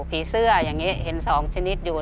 ผีเสื้ออย่างนี้เห็น๒ชนิดอยู่